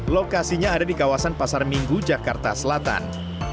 lokasinya ada di kawasan pasar minggu jakarta selatan